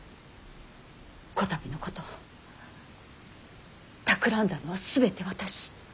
こたびのことたくらんだのは全て私。